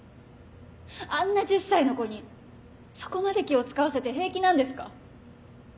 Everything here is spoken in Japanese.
あんな１０歳の子にそこまで気を使わせて平気なんですか？